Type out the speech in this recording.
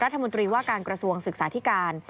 รัฐมนตรีว่าการกระทรวงศึกษาธิการ